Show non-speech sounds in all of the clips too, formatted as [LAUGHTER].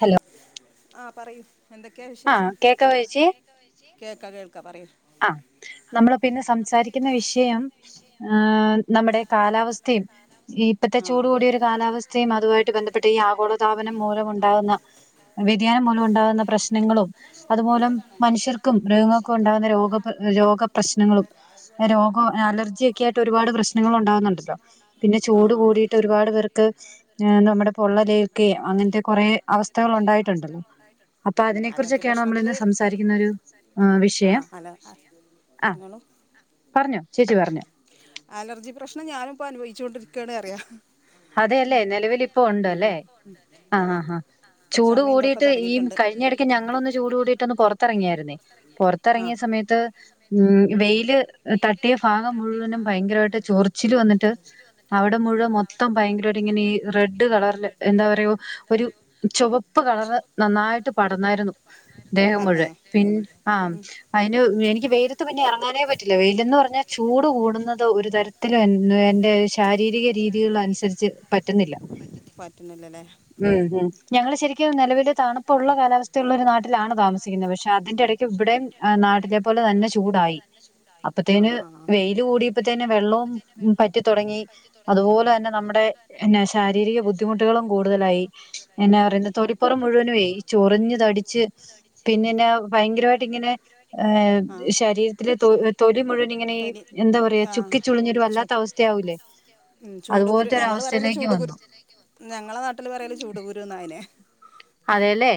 Hello ആഹ് പറയൂ എന്തൊക്കെയാ വിശേഷം കേക്ക കേൾക്കാ പറയൂ ആ നമ്മളിപ്പ ഇന്ന് സംസാരിക്കുന്ന വിഷയം നമ്മുടെ കാലാവസ്ഥയും ഈ ഇപ്പത്തെ ചൂട് കൂടിയൊരു കാലാവസ്ഥയും അതുമായിട്ട് ബന്ധപ്പെട്ട് ഈ ആഗോളതാപനം മൂലം ഉണ്ടാകുന്ന വ്യതിയാനം മൂലം ഉണ്ടാകുന്ന പ്രശ്നങ്ങളും അതുമൂലം മനുഷ്യർക്കും മൃഗങ്ങക്കും ഉണ്ടാകുന്ന രോ രോഗപ്രശ്നങ്ങളും രോഗ അലർജിയൊക്കെ ആയിട്ട് ഒരുപാട് പ്രശ് നങ്ങള് ഉണ്ടാവുന്നുണ്ടല്ലോ പിന്നെ ചൂട് കൂടിട്ട് ഒരുപാട് പേർക്ക് നമ്മുടെ പൊള്ളലെ ക്കെ അങ്ങൻത്തെ കൊറേ അവസ്ഥകൾ ഉണ്ടായിട്ടുണ്ടല്ലോ അപ്പൊ അതിനെ കുറിച്ചൊക്കെയാണ് നമ്മളിന്ന് സംസാരിക്കുന്ന ഒരു ആ [UNINTELLIGIBLE] ആഹ് പറഞ്ഞോ ചേച്ചി പറഞ്ഞോ അലർജി പ്രശ്നം ഞാനും ഇപ്പോ അനുഭവിച്ചോണ്ടിരിക്കയാണ് അറിയാം അതെയല്ലേ നിലവിൽ ഇപ്പോ ഉണ്ട് അല്ലേ ആഹ് ആഹ് ആഹ് ചൂട് കൂടിയിട്ട് ഈ കഴിഞ്ഞ ഇടക്ക് ഞങ്ങളൊന്ന് ചൂട് കൂടിയിട്ട് ഒന്ന് പുറത്തിറങ്ങിയായിരുന്നേ പുറത്ത് പുത്തിറങ്ങിയ സമയത്ത് ഉം വെയില് തട്ടിയ ഭാഗം മുഴുവനും ഭയങ്കരമായിട്ട് ചൊറിച്ചില് വന്നിട്ട് അവിടെ മുഴുവൻ മൊത്ത മൊത്തം ഭയങ്കരമായി ഇങ്ങനെ ഈ റെഡ് കളറില് എന്താ പറയോ ഒരു ചുവ ചുവപ്പ് കളറ് നന്നായിട്ട് പടർന്നായിരുന്നു ദേഹം മുഴുവൻ പി ആഹ് അതിന് എനിക്ക് വെയിലത്ത് പിന്നെ ഇറങ്ങ [UNINTELLIGIBLE] പറ്റില്ല വെയിലന്ന് പറഞ്ഞാൽ ചൂട് കൂടുന്നത് ഒരു തരത്തിലും എന്റെ ശാരീരിക രീതി രീതികൾ അനുസരിച്ച് പറ്റുന്നില്ല ഉം ഉം ഞങ്ങൾ ശരിക്കും നിലവില് തണുപ്പുള്ള കാലാവസ്ഥ ഉള്ള ഒരു നാട്ടിലാണ് താമസിക്കുന്നത് പക്ഷെ അതിന്റെ ഇടയ്ക്ക് ഇവിടെയും ആഹ് നാട്ടിലെ പോലെ തന്നെ ചൂടായി അപ്പത്തേന് വെയില് കൂടിയപ്പോത്തേന് വെള്ളവും പറ്റി തുടങ്ങി അതുപോലെ നമ്മുടെ പിന്നെ ശാരീരിക ബുദ്ധിമുട്ടുകളും കൂടുതലായി എന്നാ പറയുന്ന തൊലിപ്പുറം മുഴുവനുവേ ഈ ചൊറിഞ്ഞ് തടിച്ച് പിന്നന്നെ ഭയങ്കരമായിട്ട് ഇങ്ങനെ ശരീ ആഹ് ഉം ചൂട്കുരു ഞങ്ങൾ പറയല് ചൂട്കുരു ഞങ്ങളെ നാട്ടില് പറയല് ചൂട്കുരുന്നയനെ അതെല്ലേ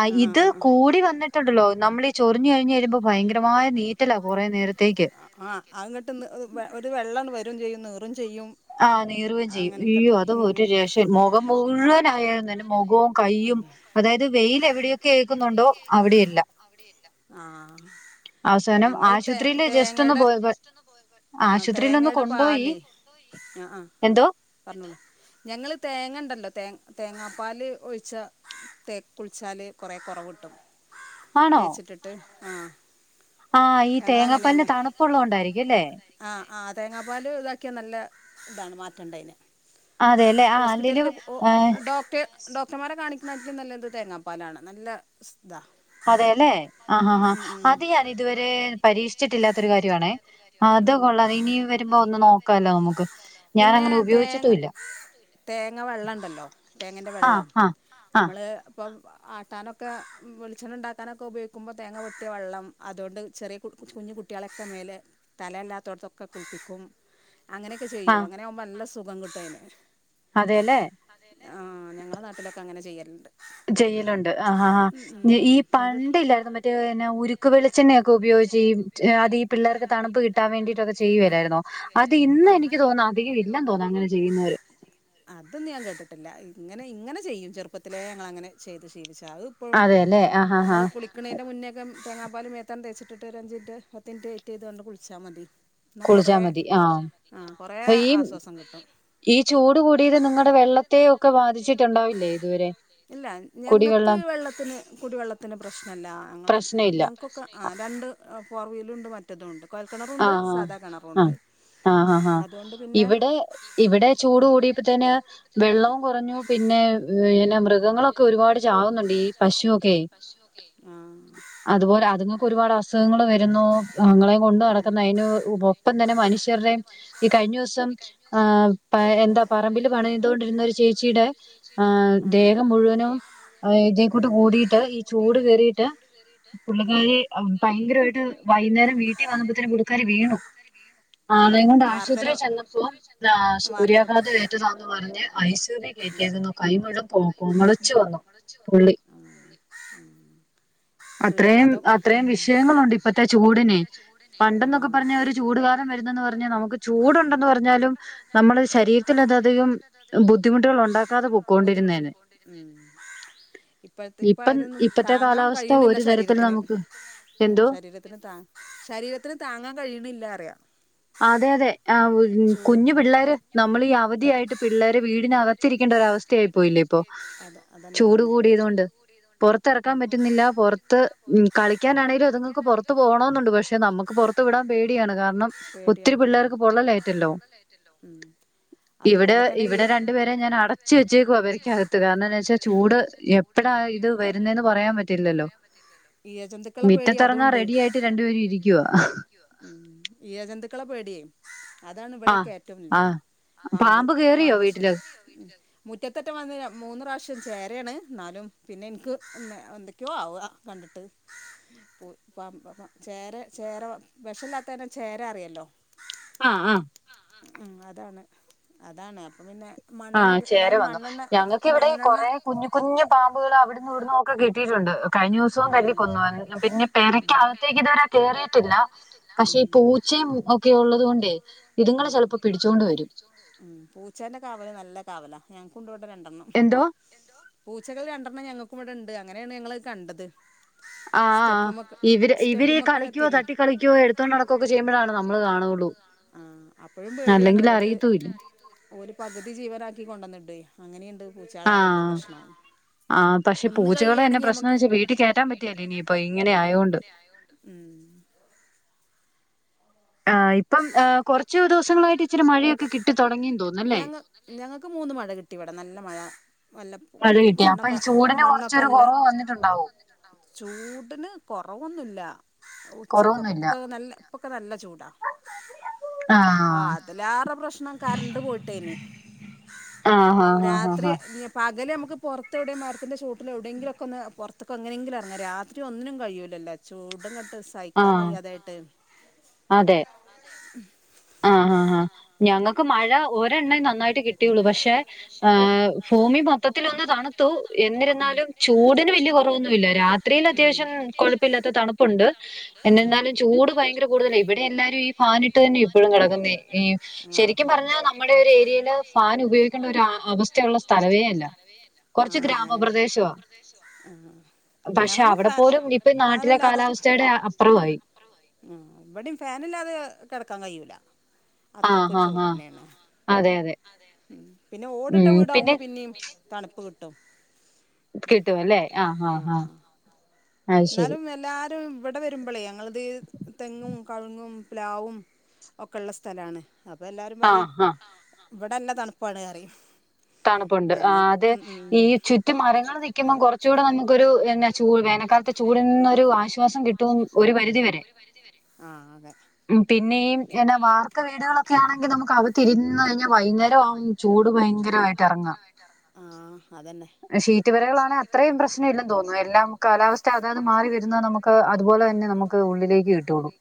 ആഹ്‌ ഇത് കൂടി വന്നിട്ടുണ്ടല്ലോ നമ്മൾ ചൊറിഞ്ഞ് കഴിഞ്ഞ് വരുമ്പോൾ ഭയങ്കരമായ നീറ്റല കുറേ നേരത്തേക്ക് അങ്ങോട്ട്ഒന്ന് ഒരു വെള്ള വരും ചെയ്യും നീറും ചെയ്യും ആഹ് നീർകയും ചെയ്യും അയ്യോ അത് ഒരു രക്ഷേ മുഖം മുഴുവനായരുന്നു തന്നെ മുഖവും അതായത് വെൽ എവിടെയൊക്കെ ആക്കുന്നുണ്ടോ അവിടെല്ല ഞങ്ങള് തേ തേങ്ങയുടെ ആഹ് തേങ്ങയുടെ പാലേ ആഹ് ആഹ് പറഞ്ഞോളൂ ഞങ്ങള് തേങ്ങണ്ടല്ലോ തേ തേങ്ങാപ്പാൽ ഒഴ കുളിച്ച തേ കുളിച്ചാൽ കുറേ കുറവ് കിട്ടും തേച്ചിട്ടിട്ട് ആഹ് ആഹ് ഈ തേങ്ങാപ്പാല്ലിന് തണുപ്പുള്ളത് കൊണ്ടായിരിക്കും അല്ലേ ആഹ് ആഹ് തേങ്ങാപ്പാല് ഇതാക്കിയ നല്ല ഇതാണ് മാറ്റേണ്ടതിന് ഹോസ്പിറ്റലില് ഓഹ് ഡോക്ടർ കസ്റ്റമറെ കാണിക്കുന്നട്ടും നല്ലത് തേങ്ങാപ്പാലാണ് നല്ല ഇതാ അതെയല്ലെ ആഹ് ആഹ് ഹാ അത് ഞാൻ ഇതുവരെ പരീക്ഷിച്ചിട്ടില്ലാത്തൊരു കാര്യമാണേ അത് കൊള്ള ഇനി വരുമ്പോ ഒന്ന് നോക്കാലോ നമുക്ക് ഞാൻ അങ്ങനെ ഉപയോഗിച്ചിട്ടും ഇല്ല തേങ്ങ വെള്ളം ഉണ്ടല്ലോ തേങ്ങൻ്റെ വെള്ളം നമ്മള് ഇപ്പ ആട്ടാനൊക്കെ വെളിച്ചെണ്ണ ഉണ്ടാക്കാനൊക്കെ ഉപയോഗിക്കുമ്പോ തേങ്ങ പൊട്ടിയ വെള്ളം അതുകൊണ്ട് ചെറിയ കു കുഞ്ഞു കുട്ടികളൊക്കെ മേലെ തലയില്ലാത്തോടത്തൊക്കെ കുൽപ്പിക്കും അങ്ങനെയൊക്കെ ചെയ്യും അങ്ങനെ ആകുമ്പോ നല്ല സുഖം കിട്ടും അയിന് അതെ അല്ലേ അതെല്ലെ ആഹ് ഞങ്ങള നാട്ടിലൊക്കെ അങ്ങനെ ചെയ്യലുണ്ട് ചെയ്യലുണ്ട് ആഹ് ആഹ് ഈ പണ്ട് ഇല്ലായിരുന്നു മറ്റേ എന്ന ഒരു ഉരുക്ക് വെളിച്ചണ്ണൊക്കെ ഉപയോഗിച്ച് അത്ഈ പിള്ളേർക്ക് തണുപ്പ് കിട്ടാൻ വേണ്ടിട്ടൊക്കെ ചെയ്യുവരായിന്നോ അത് ഇന്ന് എനിക്ക് തോന്നുന്നു അധികം ഇല്ല തോന്നുന്നു അങ്ങനെ ചെയ്യുന്നവർ അതൊന്നും ഞാൻ കേട്ടിട്ടില്ല ഇങ്ങനെ ഇങ്ങനെ ചെയ്യും ചെറുപ്പത്തിലേ ഞങ്ങൾ അങ്ങനെ ചെയ്ത് ശീലിച്ചതാ അത് ഉം നമ്മള് കുളിക്കുന്നതിന്റെ മുന്നേക്കെ തേങ്ങാപ്പാലും മോത്തം തേച്ചിട്ട് അഞ്ച് മിനിറ്റ് പത്ത് മിനിറ്റ് വെയിറ്റ് ചെയ്ത് കൊണ്ട് കുളിച്ചാൽ മതി എന്നാ കൊറെ ആഹ് കൊറെ ആശ്വാസം കിട്ടും ഈ ചൂട് കൂടിയത് നിങ്ങളുടെ വെള്ളത്തെ ഒക്കെ ബാധിച്ചിട്ടുണ്ടാവില്ലേ ഇതുവരെ ഞങ്ങൾക്ക് വെള്ളത്തിന് കുടിവെള്ളത്തിന് പ്രശ്നമില്ല ഞങ്ങ ഞങ്ങൾക്ക് ആഹ് രണ്ട് ഫോർ വീലുണ്ട് മറ്റേതു ഉണ്ട് കോഴൽ കിണറുണ്ട് സാധാ കിണറുണ്ട് ആഹ് ആഹ് ഹാ ഇവിടെ ഇവിടെ ചൂട് കൂടിയപ്പോത്തന്നെ വെള്ളവും കുറഞ്ഞു പിന്നെ പിന്നെ മൃഗങ്ങളൊക്കെ ഒരുപാട് ചാവുന്നുണ്ട് ഈ പശുവൊക്കെ അതുപോലെ അതിന് ഒരുപാട് അസുഖങ്ങള് വരുന്നു അത്ങ്ങളെ കൊണ്ട് നട ക്കുന്നു അതിന് ഒപ്പം തന്നെ മനുഷ്യരുടെം ഈ കഴിഞ്ഞ ദിവസം ആഹ് പ എന്താ പറമ്പിൽ പണി ചെയ്തുകൊണ്ടിരുന്ന ഒരു ചേച്ചിയുടെ ആ ദേഹം മുഴുവനും ഇതേക്കൂട്ട് കൂടിയിട്ട് ഈ ചൂട് കേറിയിട്ട് പുള്ളികാരി ഭയങ്കരമായിട്ട് വൈകുന്നേരം വീട്ടിൽ വന്നപ്പോത്തേന് പുള്ളിക്കാരി വീണു ആളേം കൊണ്ട് ആശുപത്രിയിൽ ചെന്നപ്പോ ആ സൂര്യാഘാതം ഏറ്റതാണന്ന് പറഞ്ഞ് ഐ സി യു കയറ്റിയാരുന്നു കൈമുഴുവനും പൊങ്ങളിച്ചു വന്നു ആഹ് ആഹ് അത്രേം അത്രെയും വിഷയങ്ങൾ ഉണ്ട് ഇപ്പത്തെ ചൂടിനെ പണ്ടെന്നൊക്കെ പറഞ്ഞാൽ ഒരു ചൂടുകാലം വരുന്നെന്ന് പറഞ്ഞാൽ നമുക്ക് ചൂടുണ്ടെന്ന് പറഞ്ഞാലും നമ്മള് ശരീരത്തിൽ അത് അധികം ബുദ്ധിമുട്ടുകൾ ഉണ്ടാക്കാതെ പോക്കൊണ്ടിരുന്നേനെ ഉം ഇപ്പ ഇപ്പ അത് താങ്ങാൻ കഴിയണില്ല ശരീരത്തിന് എന്തോ ശരീരത്തിന് ശരീരത്തിന് താങ്ങാൻ കഴിയുന്നില്ല പറയാ അതെ അതെ ആ കുഞ്ഞു പിള്ളേര് നമ്മൾ ഈ അവധിയായിട്ട് പിള്ളേരെ വീടിനകത്തിരിക്കേണ്ട ഒര അവസ്ഥയായി പോയില്ലേ ഇപ്പോ ചൂട് കൂടിയത് കൊണ്ട് പുറത്തിറക്കാൻ പറ്റുന്നില്ല പുറത്ത് ഉം കളിക്കാനാണെങ്കിലും അതുങ്ങക്ക് പുറത്ത് പോകണെന്നുണ്ട് പക്ഷെ നമുക്ക് പുറത്തു വിടാൻ പേടിയാണ് കാരണം പേടിയാണ് ഒത്തിരി പിള്ളാർക്ക് പൊള്ളൽ ഏറ്റല്ലോ ഇവിടെ ഇവിടെ രണ്ടുപേരെ ഞാൻ അടച്ചു വെച്ചേക്കുവാ പെരക്കകത്ത് കാരണന്ന് വെച്ചാൽ ചൂട് ചൂട് എപ്പളാ ആ ഇത് വരുന്നെന്ന് പറയാൻ പറ്റില്ലല്ലോ ഇഴജന്തുക്കള പേടിയ അതും ഉണ്ട് ഇഴ ജന്തുക്കളെ പേടിയേ അതാണ് ഇവിടെക്കറ്റവുണ്ട് പാമ്പ് പാമ്പ് പ്രശ്നം മുറ്റത്തക്ക വന്ന് മൂന്ന് പ്രാവശ്യം ചേരയാണ് എന്നാലും പിന്നെ എനിക്ക് എന്തൊക്കെയോ ആവുക കണ്ടിട്ട് [UNINTELLIGIBLE] ചേര ചേര വിഷല്ലാത്ത തന്നെ ചേര അറിയല്ലോ ആഹ് ആഹ് ഉം അതാണ് അതാണ് അപ്പൊ പിന്നെ ആഹ് ചേര വന്നു ഞങ്ങൾക്ക് ഇവിടെ കുറെ കുഞ്ഞു കുഞ്ഞു പാമ്പുകള് അവിടുന്ന് ഇവിടന്നൊ ക്കെ കിട്ടിയിട്ടുണ്ട് കഴിഞ്ഞ ദിവസവും തല്ലി കൊന്നു പിന്നെ പെരക്ക അകത്തേക്ക് ഇതുവരെ കേയറിയിട്ടില്ല പക്ഷേ ഈ പൂച്ചയും ഒക്കെ ഉള്ളത് കൊണ്ടെ ഇതുങ്ങള് ചെലപ്പോ പിടിച്ചുകൊണ്ട് വരും ഉം പൂച്ചാന്റെ കാവല് നല്ല കാവലാ ഞങ്ങൾക്കും ഉണ്ട് ഇവിടെ രണ്ടെണ്ണം എന്തോ പൂച്ചകൾ രണ്ടെണ്ണം ഞങ്ങൾക്കും ഇവിടെ ഉണ്ട് അങ്ങനെയാണ് ഞങ്ങളത് കണ്ടത് ആഹ് ആഹ് ഇവര് ഇവര് കളിക്കുവോ തട്ടി കളിക്കുവോ എടുത്തോണ്ട് നടക്കോ ഒക്കെ ചെയ്യുമ്പോഴാണ് നമ്മള് കാണുള്ളൂ ആഹ് അപ്പഴും പേടിയാണ് ഓര് ഓര് പകുതി ജീവനാക്കി കൊണ്ട് വന്നിട്ടെ അങ്ങനെയുണ്ട് പൂച്ചാളാ കൊണ്ട് പ്രശ്നം കൊന്ന് കയ്യാണെങ്കി നമ്മക്ക് ഉം ഉം ആഹ് ഞങ്ങക്ക് മൂന്ന് മഴ കിട് ട്ടിവിട നല്ല മഴ നല്ല മണ്ണൊക്കെ മണ്ണൊക്കെ നല്ല ചൂടിന് കൊറവൊന്നുമില്ല ഉച്ചക്കക്കെ നല്ല അപ്പൊക്കെ നല്ല ചൂടാണ് ആഹ് അതിലാറെ പ്രശ്നം കരണ്ട് പോയിട്ടേനി രാത്രി പകല് നമുക്ക് പുറത്തെവിടെയും മരത്തിന്റെ ചോട്ടിലോ എവിടെയെങ്കിലൊക്കെ ഒന്ന് പൊറത്തേക്ക് എങ്ങനെങ്കിലും എറങ്ങാം രാത്രി ഒന്നിനും കയ്യൂലല്ലോ ചൂടങ്ങട്ട് സഹിക്കാൻ കഴ്യാതെയായിട്ട് അതെ അതെ ഉം ആഹ് ആഹ് ആഹ് ഞങ്ങ ക്ക് മഴ ഒരെണ്ണേ നന്നായിട്ട് കിട്ടിയുള്ളൂ പക്ഷെ ആഹ് ഭൂമി മൊത്തത്തിലൊന്ന് തണു ത്തു എന്നിരുന്നാലും ചൂടിന് വല്യ കുറവൊന്നുമില്ല രാത്രിൽ അത്യാവശ്യം കൊഴപ്പില്ലാത്ത തണുപ്പുണ്ട് എന്നിരുന്നാലും ചൂട് ഭയങ്കര കൂടുതല ഇവിടെ എല്ലാരും ഈ ഫാനിട്ട് തന്നെയ ഇപ്പോഴും കിടക്കുന്നെ ഈ ശരിക്കും പറഞ്ഞാ നമ്മുടെ ഒരു ഏരിയെല് ഫാൻ ഉപയോഗിക്കേണ്ട ഒരു അവസ്ഥയുള്ള സ്ഥലവെ അല്ല കൊറച്ച് ഗ്രാമപ്രദേശവാ ആഹ് ഞങ്ങക്കും പക്ഷെ അവിടെപ്പോ നാട്ടിലെ കാലാവസ്തെടെ അപ്പറവായി ഫാനില്ലാതെ ആ ഇവിടെയും ഫാനില്ലാതെ കെടക്കാൻ കഴയൂല്ല അത്രക്കും ചൂ അതെ പിന്നെ ഓടിട്ട വീടാവുമ്പോ പിന്നേം പിന്നേം തണുപ്പ് കിട്ടും കിട്ടുവല്ലേ ആഹ് ആഹ് ആഹ് ന്നാലും എല്ലാരും ഇവിടെ വരുമ്പോളേ ഞങ്ങളത് തെങ്ങും കവുങ്ങും പ്ലാവും ഒക്കെള്ള സ്ഥലാണ് അപ്പ എല്ലാരും പറയും ഇവിടെന്നെ തണുപ്പാണ് റയും തണുപ്പുണ്ട് ആ അത് ഈ ചുറ്റും മരങ്ങള് നിക്കുമ്പോ കുറച്ചൂടെ നമുക്കൊരു എന്നാ ചൂട് വേന ആഹ് അതെ ഉ പിന്നെ ഈ എന്ന വാർക്ക വീടുകളൊക്കെ ആണെങ്കി നമുക്ക് അകതിരൂന്ന് കഴിഞ്ഞാ വൈകുന്നേരം ആവും ചൂട് ഭയങ്കരമായിട്ട് ഇറങ്ങും മായിട്ട് എറങ്ങും ആഹ് അതെന്നെ ഷീറ്റ് പെരകളാണെ അത്രയും പ്രശ്നമില്ലെന്ന് തോന്നുന്നു എല്ലാം കാലാവസ്ഥ അതാത് മാറി വരുന്നത് നമു അതുപോലെ തന്നെ നമുക്ക് ഉള്ളിലേക്ക് കിട്ടുള്ളൂ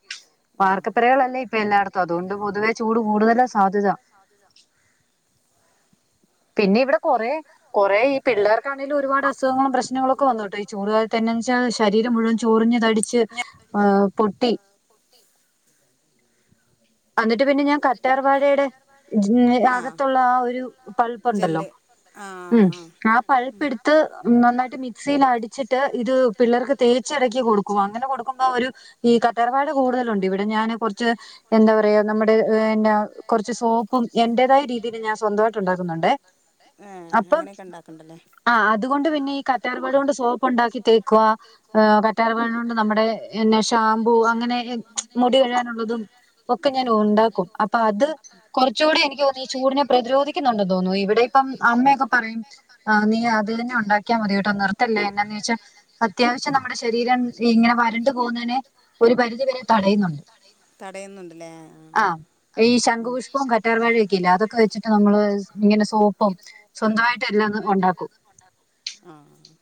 വാർക്കപ്പെരകളല്ലേ ഇപ്പ എല്ലായിടത്തും അതുകൊണ്ട് പൊതുവേ ചൂട് കൂടുതല സാധ്യത സാധ്യത പിന്നെ ഇവിടെ കൊറേ കൊറേ ഈ പിള്ളേർക്കാണെലും ഒരുപാട് അസുഖങ്ങളും പ്രശ്നങ്ങളുക്കെ വന്നുട്ടൊ ചൂടുകാലത്ത് എന്നാന്ന് വെച്ചാ ശരീരം മുഴുവൻ ചോറിഞ്ഞ് തടിച്ച് പൊട്ടി അന്നിട്ട് പിന്നെ ഞാൻ കറ്റാർവാഴെടെ അകത്തുള്ള ആ ഒരു പൾപ്പുണ്ടല്ലോ ഉം ആ പൾപ്പ് എടുത്ത് നന്നായിട്ട് മിക്സിൽ അടിച്ചിട്ട് ഇത് പിള്ളേർക്ക് തേച്ചിടെക്ക് കൊടുക്കും അങ്ങനെ കൊടുക്കുമ്പോ ഒരു ഈ കറ്റാർ വാഴ കൂടുതലുണ്ട് ഇവിടെ ഞാന് കൊറച്ച് എന്താ പറയാ നമ്മുടെ എന്നാ കൊറച്ച് സോപ്പും എന്റെതായ രീതില് ഞാൻ സ്വന്തമായിട്ട് ഉണ്ടാക്കുന്നുണ്ടെ ഏഹ് അപ്പം ആ അതുകൊണ്ട് പിന്നെ ഈ കറ്റാർവാഴ കൊണ്ട് സോപ്പുണ്ടാക്കി തേക്കുവാ കറ്റാർവാഴോണ്ട് നമ്മുടെ പിന്നേ ഷാമ്പു അങ്ങനെ ഒക്കെ ഞാൻ ഉണ്ടാക്കും അപ്പൊ അത് കുറച്ചുകൂടി എനിക്ക് തോന്നുന്നു ഈ ചൂടിനെ പ്രതിരോധിക്കുന്നുണ്ടെന്ന് തോന്നുന്നു ഇവിടെ അപ്പം അമ്മയൊക്കെ പറയും നീ അത് തന്നെ ഉണ്ടാക്കിയാ മതി കേട്ടോ നിർത്തല്ലേ എന്നാന്ന് ചോദിച്ചാ അത്യാവശ്യം നമ്മുടെ ശരീരം ഇങ്ങനെ വരണ്ടു പോകുന്നതിനെ ഒരു പരിധിവരെ തടയുന്നുണ്ട് തടയുന്നുണ്ട്ല്ലേ ആഹ് ഈ ശംഗു പുഷ്പവും കറ്റാർവാഴൊക്കെല്ലെ അതൊക്കെ വെച്ചിട്ട് നമ്മള് ഇങ്ങനെ സോ ങ്ങനെ സോപ്പും സ്വന്തമായിട്ട് എല്ലാതും ഒണ്ടാക്കും ആഹ്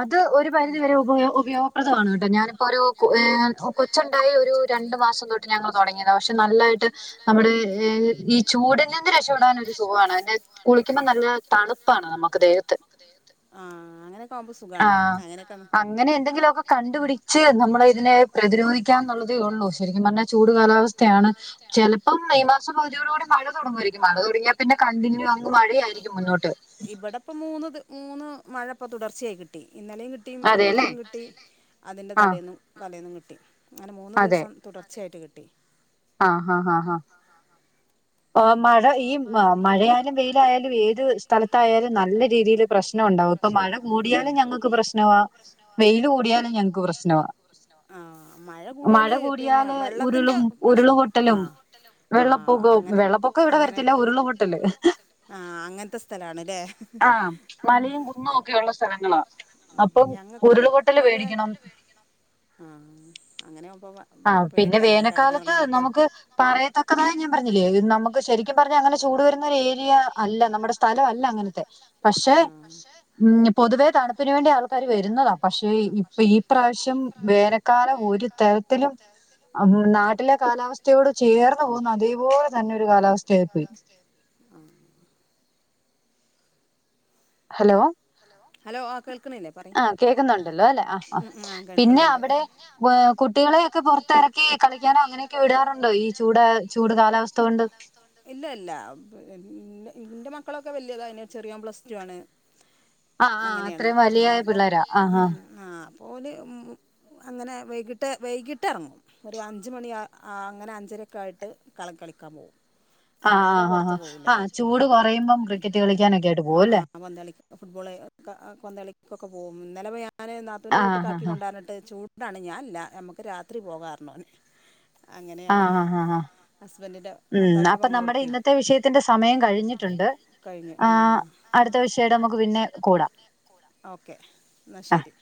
അത് ഒരു പരിധിവരെ ഉപയ ഉപയോഗപ്രദമാണ് കേട്ടോ ഞാനിപ്പോ ഒരു ഏഹ് കൊ ച്ചുണ്ടായെ ഒരു രണ്ടു മാസം തൊ രു മാസം തോട്ട് ഞങ്ങള് തുടങ്ങിയത പക്ഷെ നല്ലായിട്ട് നമ്മുടെ ഈ ചൂടിൽ നിന്ന് രക്ഷപ്പെടാനായിട്ട് കുളിക്കുമ്പോ നല്ല തണുപ്പാണ് നമ്മക്ക് ദേഹത്തു ആ അങ്ങനെയൊക്കെ ആവുമ്പോ സുഖാണ് അങ്ങനെ എന്തെങ്കിലു ഒക്കെ കണ്ടുപിടിച്ച് നമ്മള് ഇതിനെ പ്രതിരോധിക്കാം എന്നുള്ളതേ ഉള്ളൂ ശരിക്കും പറഞ്ഞ ചൂട് കാലാവസ്ഥയാണ് ചെലപ്പം മെയ് മാസം പകുതിയോട് കൂടി മഴ തുടങ്ങുമായിരിക്കും മഴ തുടങ്ങിയ പിന്നെ കണ്ടിന്യൂ അങ്ങ് മഴയായിരിക്കും മുന്നോട്ട് ഇവിടെ ഇപ്പം മൂന്ന് മൂന്ന് മഴ ഇപ്പോൾ തുടർച്ചയായി കിട്ടി ഇന്നലെയും കിട്ടി കിട്ടി മിനിഞ്ഞാന്നും കിട്ടി അതിൻ്റെ തലേന്നും തലേന്നും കിട്ടി അങ്ങനെ മൂന്ന്ദിവസം തുടർച്ചയായിട്ട് കിട്ടി. ആഹ് ആഹ് ആഹ് ആ മഴ ഈ മഴയാലും വെയിലായാലും ഏത് സ്ഥലത്തായാലും നല്ല രീതിയില് പ്രശ്നമുണ്ടാവും ഇപ്പൊ മഴ കൂടിയാലും ഞങ്ങൾക്ക് പ്രശ്നവാ വെയിൽ കൂടിയാലും ഞങ്ങക്ക് പ്രശ്നവാ മഴ കൂടിയാല് ഉരുളും ഉരുളു പൊട്ടലും വെള്ളപൊക്കവും വെള്ള ഇവിടെ വരത്തില്ല ഉരുള് പൊട്ടല് ന്ന് ഒക്കെ ഉള്ള സ്ഥലങ്ങളാ അപ്പം ഉരുൾപൊട്ടല് പേടിക്കണം. ആഹ് അങ്ങനെ ആവുമ്പ ആ പിന്നെ വേനൽക്കാലത്ത് നമ്മുക്ക് പറയത്തക്കതായ ഞാൻ പറഞ്ഞില്ലേ നമ്മുക്ക് ശ ത്യം പറഞ്ഞ അങ്ങനെ ചൂട് വരുന്നൊരു ഏരിയ അല്ല നമ്മുടെ സ്ഥലം അല്ല അങ്ങനത്തെ പക്ഷെ ഉം പൊതുവേ തണുപ്പിന് വേണ്ടി ആൾക്കാര് വരുന്നതാ. പക്ഷേ ഇപ്പൊ ഈ പ്രാവശ്യം വേനൽക്കാലം ഒരു തരത്തിലും നാട്ടിലെ കാലാവസ്ഥയോട് ചേർന്ന് പോകുന്ന അതേപോലെ തന്നെ ഒരു കാലാവസ്ഥയായിപ്പോയി. ഉം. ഹലോ ഹലോ ആ കേൾക്കണില്ലേ? ആ കേൾക്കുന്നുണ്ടല്ലോ അല്ലെ ആഹ് ആഹ്പിന്നെ അവിടെ കുട്ടികളെയൊക്കെ പുറത്തിറ കളിക്കാനോ അങ്ങനെയൊക്കെ വിടാറുണ്ടോ ഈ ചൂട് ചൂട് കാലാവസ്ഥ കൊണ്ട് ഇല്ല ഇല്ല ഇൻ്റെ മക്കളൊക്കെ വലിയ താന് ചെറിയോൻ പ്ലസ് ടു ആണ്. അങ്ങനെയാണ് അപ്പം ഉം ആ പോല് അങ്ങനെ വൈകിട്ട് വൈകിട്ട് ഇറങ്ങും. ഒരു അഞ്ച് മണി അങ്ങനെ അഞ്ചരൊക്കെ ആയിട്ട് കള കളിക്കാൻ പോകും. ആഹ് ആ ആഹ് ആാ ആഹ് ചൂട് കുറയുമ്പം ക്രിക്കറ്റ് കളിക്കാനൊക്കെ ആയിട്ട് പോവും അല്ലേ. ആ പന്തളി ഫുട്ബോൾ പന്തളിക്കൊക്കെ പോവും ഇന്നലപ്പോ ഞാൻ നാത്തൂൻ്റെ വീട്ട്ക്ക് ആക്കി കൊണ്ടുവരി ചൂടാണ് ഞാൻ ഇല്ല നമ്മക്ക് രാത്രി പോകാറ് കാരണംഅങ്ങനെയാണ് ഹസ്ബൻഡിന്റെഭർത്താവിന്റെ പൊങ്ങളോടെക്കെ ഇന്നത്തെ വിഷയത്തിന്റെ സമയം കഴിഞ്ഞ് കഴിഞ്ഞുആ അടുത്തെ വിഷയമായിട്ട് നമ്മുക്ക് പിന്നെ കൂടാം. ഓക്കെ എന്നാ ശരി